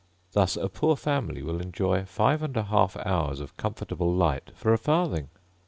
Thus a poor family will enjoy 5&1/2 hours of comfortable light for a farthing.